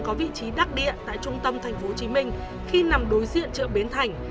có vị trí đắc địa tại trung tâm tp hcm khi nằm đối diện chợ bến thành